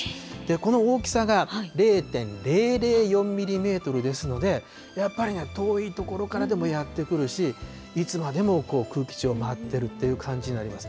この大きさが０．００４ミリメートルですので、やっぱりね、遠い所からでもやって来るし、いつまでも空気中を舞ってるという感じになります。